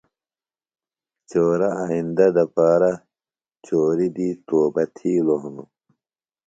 چورہ آئیندہ دپارہ چوری دی توبہ تِھیلوۡ ہِنوۡ